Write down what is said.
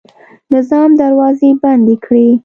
نظام دروازې بندې کړې.